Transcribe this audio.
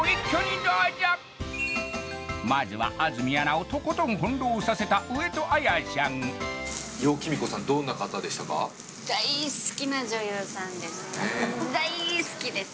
まずは安住アナをとことん翻弄させた上戸彩さんねえ大好きです